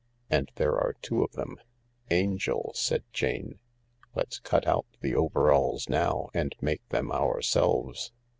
And there are two of them." " Angel !" said Jane. " Let's cut out the overalls now, and make them ourselves."